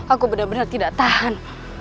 aku benar benar tidak tahan